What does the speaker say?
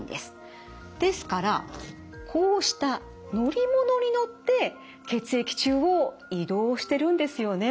ですからこうした乗り物に乗って血液中を移動してるんですよね